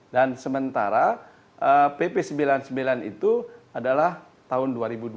dan sementara pp sembilan puluh sembilan itu adalah tahun dua ribu dua belas